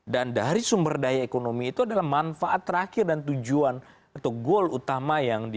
dan dari sumber daya ekonomi itu adalah manfaat terakhir dan tujuan